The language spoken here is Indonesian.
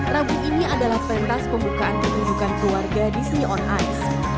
rabu ini adalah pentas pembukaan pertunjukan keluarga disney on ice